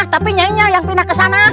tapi nyai nya yang pindah kesana